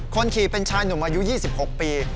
คนขี่เป็นชายหนุ่มอายุ๒๖ปี